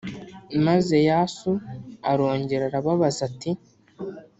Maze Yasu arongera arababaza ati